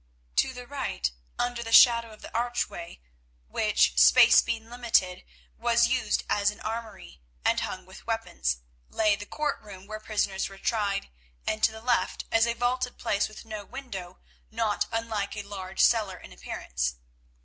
To the right, under the shadow of the archway, which, space being limited, was used as an armoury, and hung with weapons, lay the court room where prisoners were tried, and to the left a vaulted place with no window, not unlike a large cellar in appearance.